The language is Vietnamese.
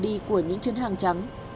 đi của những chuyên hàng trắng